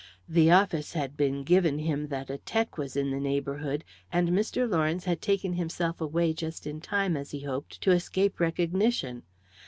The "office" had been given him that a "tec." was in the neighbourhood, and Mr. Lawrence had taken himself away just in time, as he hoped, to escape recognition.